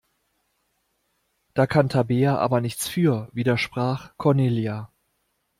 Da kann Tabea aber nichts für, widersprach Cornelia.